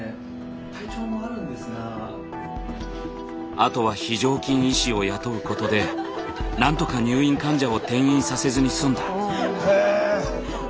あとは非常勤医師を雇うことで何とか入院患者を転院させずに済んだ。